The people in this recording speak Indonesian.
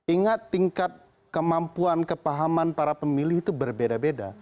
ingat tingkat kemampuan kepahaman para pemilih itu berbeda beda